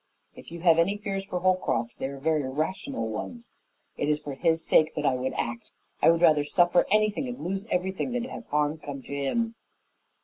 "If you have any fears for Holcroft, they are very rational ones." "It is for his sake that I would act. I would rather suffer anything and lose everything than have harm come to him."